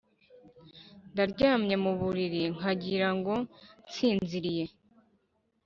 ndaryamye mu buriri nkagira ngo nsinziriye.